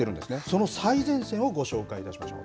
その最前線をご紹介いたしましょう。